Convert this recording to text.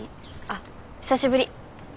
あっ久しぶり。